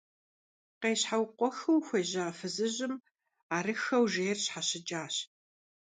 Къещхьэукъуэхыу хуежьа фызыжьым арыххэу жейр щхьэщыкӀащ.